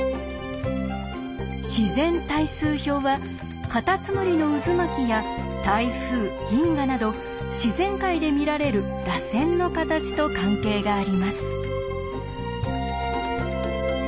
自然対数表はかたつむりの渦巻きや台風銀河など自然界で見られる「らせん」の形と関係があります。